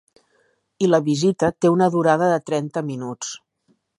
I la visita té una durada de trenta minuts.